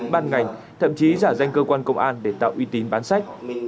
ban ngành thậm chí giả danh cơ quan công an để tạo uy tín bán sách